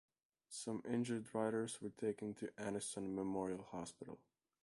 Some injured riders were taken to Anniston Memorial Hospital.